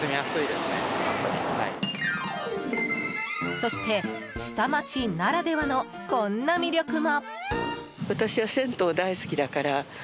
そして、下町ならではのこんな魅力も。